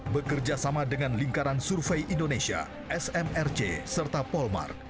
bekerja sama dengan lingkaran survei indonesia smrc serta polmar